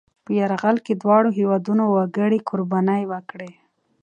په یرغل کې دواړو هېوادنو وګړي قربانۍ ورکړې.